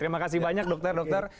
terima kasih banyak dokter